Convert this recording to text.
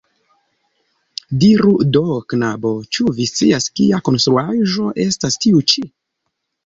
Diru do, knabo, ĉu vi scias kia konstruaĵo estas tiu ĉi?